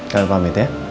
kalian pamit ya